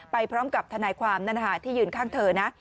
ไปพร้อมกับทนายความที่ยืนข้างเธอนะ